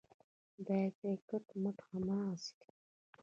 دا ځای کټ مټ هماغسې دی.